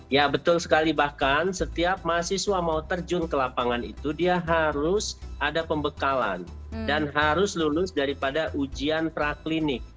ya betul sekali bahkan setiap mahasiswa mau terjun ke lapangan itu dia harus ada pembekalan dan harus lulus daripada ujian praklinik